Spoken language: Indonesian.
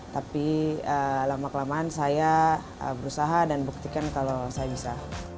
tapi lama kelamaan saya berusaha dan buktikan kalau saya bisa